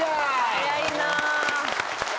早いな。